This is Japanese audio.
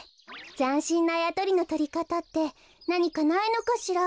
ざんしんなあやとりのとりかたってなにかないのかしら？